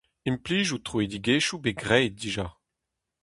Implijout troidigezhioù bet graet dija.